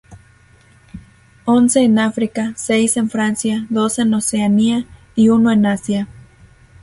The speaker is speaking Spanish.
Once en África, seis en Francia, dos en Oceanía y uno en Asia.